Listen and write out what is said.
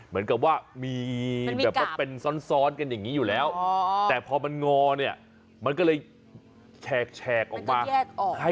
เหมือนกับว่ามีแบบว่าเป็นซ้อนกันอย่างนี้อยู่แล้วแต่พอมันงอเนี่ยมันก็เลยแฉกออกมา